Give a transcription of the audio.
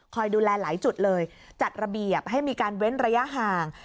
ดูแลหลายจุดเลยจัดระเบียบให้มีการเว้นระยะห่าง